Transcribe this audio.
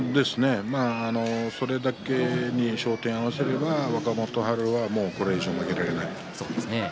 それだけに焦点を合わせれば若元春は、もうこれ以上負けられない。